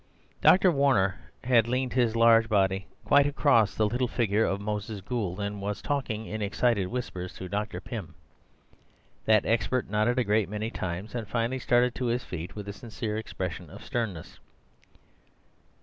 Dr. Warner had leaned his large body quite across the little figure of Moses Gould and was talking in excited whispers to Dr. Pym. That expert nodded a great many times and finally started to his feet with a sincere expression of sternness.